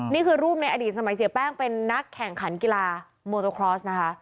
นี่คือรูปในอดีตสมัยเสียแป้งเป็นนักแข่งขันกีฬาโมโตครอสนะคะ